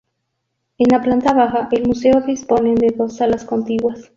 En la planta baja, el museo disponen de dos salas contiguas.